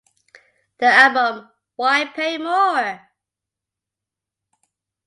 The album, Why Pay More?